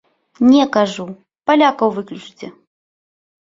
Не, кажу, палякаў выключыце!